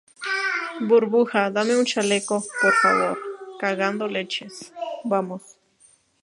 burbuja, dame un chaleco, por favor. cagando leches, vamos.